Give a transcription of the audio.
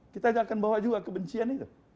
kita tidak akan bawa juga kebencian itu